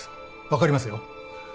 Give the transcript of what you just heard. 分かりますよ。